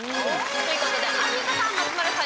ということでアンミカさん松丸さん